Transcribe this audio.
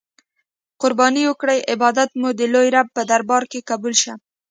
قربانې او کړی عبادات مو د لوی رب په دربار کی قبول شه.